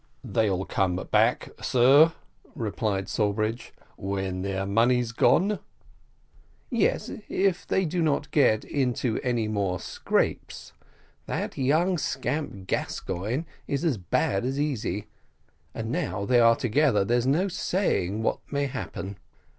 "They'll come back, sir," replied Sawbridge, "when all their money's gone." "Yes, if they do not get into any more scrapes that young scamp Gascoigne is as bad as Easy, and now they are together there's no saying what may happen.